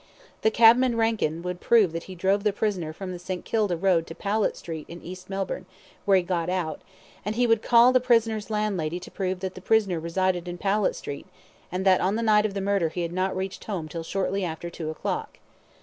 The cabman Rankin would prove that he drove the prisoner from the St. Kilda Road to Powlett Street in East Melbourne, where he got out; and he would call the prisoner's landlady to prove that the prisoner resided in Powlett Street, and that on the night of the murder he had not reached home till shortly after two o'clock.